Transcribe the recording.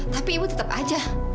tapi ibu tetap aja